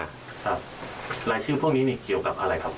รายชื่อพวกนี้นี่เกี่ยวกับอะไรครับ